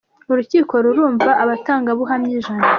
Urukiko rurumva abatangabuhamya ijana